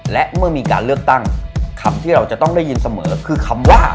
และเมื่อมีการเลือกตั้งคำที่เราจะต้องได้ยินเสมอคือคำว่า